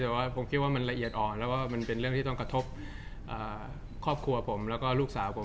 แต่ว่าผมคิดว่ามันละเอียดอ่อนแล้วก็มันเป็นเรื่องที่ต้องกระทบครอบครัวผมแล้วก็ลูกสาวผม